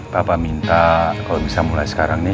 papa minta kalau bisa mulai sekarang nih